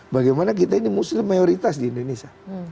bagaimana kita ini muslim mayoritas di indonesia